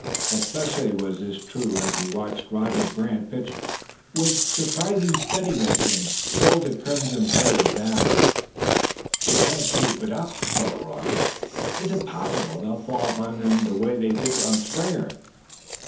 Especially was this true as he watched Rodney Grant pitch with surprising steadiness and hold the crimson players down. "But he can't keep it up," thought Roy; "it's impossible. They'll fall on him the way they did on Springer."